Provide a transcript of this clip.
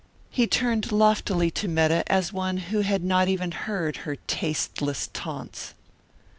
He turned loftily to Metta as one who had not even heard her tasteless taunts.